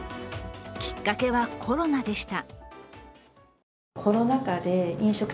きっかけはコロナでした。